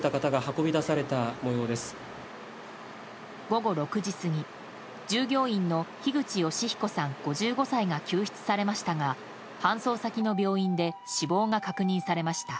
午後６時過ぎ従業員の樋口善彦さん、５５歳が救出されましたが搬送先の病院で死亡が確認されました。